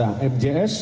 yang ketiga saudara kpb